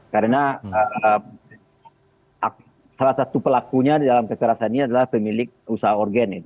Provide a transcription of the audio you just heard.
karena salah satu pelakunya dalam kekerasan ini adalah pemilik usaha organ